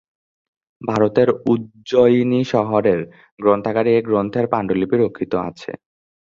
ভারতের উজ্জয়িনী শহরের গ্রন্থাগারে এই গ্রন্থের পাণ্ডুলিপি রক্ষিত আছে।